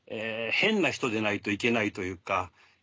変な人でないといけないというか。